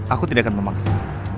aku tidak akan memaksa